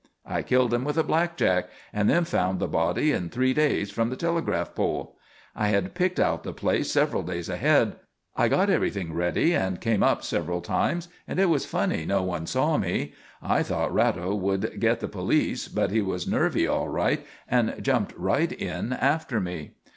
I killed him with a blackjack and then found the body in three days, from the telegraph pole. I had picked out the place several days ahead. I got everything ready and came up several times and it was funny no one saw me. I thought Ratto would say get the police but he was nervy all right and jumped right in after me.